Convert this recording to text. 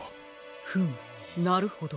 フムなるほど。